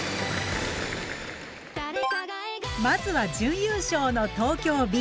まずは準優勝の東京Ｂ。